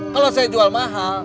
kalau saya jual mahal